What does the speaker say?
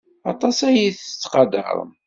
Aṭas ay t-yettqadaren.